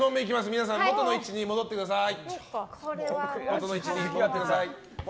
皆さん元の位置に戻ってください。